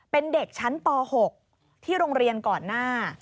เป็นเด็กชั้นป๖ที่โรงเรียนก่อนหน้า